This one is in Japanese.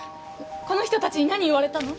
この人たちに何言われたの？